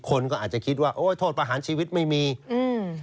คนก็อาจจะคิดว่าโอ้ยโทษประหารชีวิตไม่มีอืม